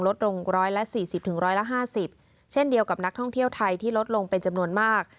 ลดลง๑๔๐๑๕๐เช่นเดียวกับนักท่องเที่ยวไทยที่ลดลงเป็นจำนวนมาก